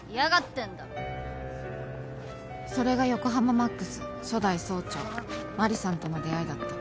それが横浜魔苦須初代総長マリさんとの出会いだった。